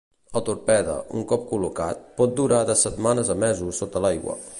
El torpede, un cop col·locat, pot durar de setmanes a mesos sota l'aigua.